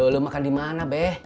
lo makan di mana beh